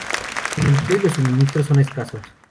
El empleo y los suministros son escasos.